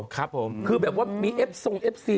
คือแบบว่ามีเอฟทรงเอฟซี